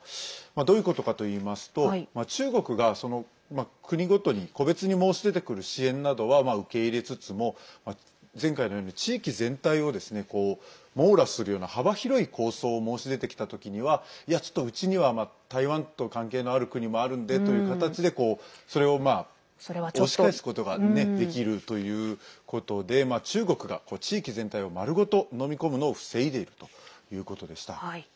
どういうことかといいますと中国が国ごとに個別に申し出てくる支援などは受け入れつつも前回のように地域全体を網羅するような幅広い構想を申し出てきたときにはいや、ちょっとうちには台湾と関係のある国もあるんでという形でそれを押し返すことができるということで中国が地域全体を丸ごと、のみ込むのを防いでいるということでした。